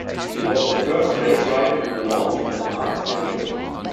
It was the first race riot in the North in half a century.